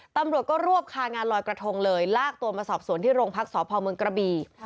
ตำรวจก็รวบคางานลอยกระทงเลยลากตัวมาสอบสวนที่โรงพักษพเมืองกระบี